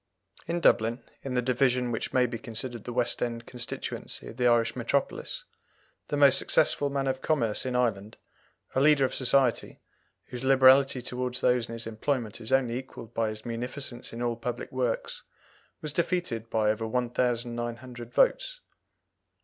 In Dublin, in the division which may be considered the West End constituency of the Irish metropolis, the most successful man of commerce in Ireland, a leader of society, whose liberality towards those in his employment is only equalled by his munificence in all public works, was defeated by over 1900 votes.